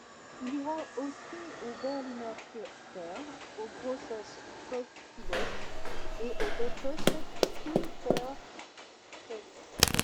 Il ira aussi au Berliner Theater, au Großes Schauspielhaus et au Deutsches Künstlertheater.